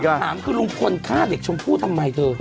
คำถามคือลุงควรค่ะเด็กชมพูดทำไมเธอ